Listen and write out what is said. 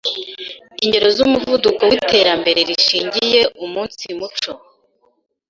Ingero z’umuvuduko w’íterambere rishingiye umunsi muco: